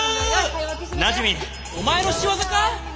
なじみお前の仕業か！？